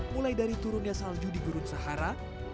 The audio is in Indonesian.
mulai dari turunnya salju di gurun sahara